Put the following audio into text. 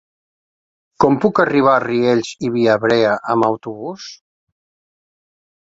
Com puc arribar a Riells i Viabrea amb autobús?